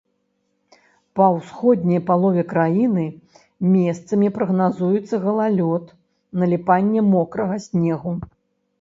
Па ўсходняй палове краіны месцамі прагназуецца галалёд, наліпанне мокрага снегу.